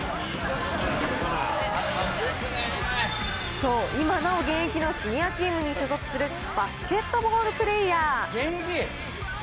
そう、今なお現役のシニアチームに所属する、バスケットボールプレーヤー。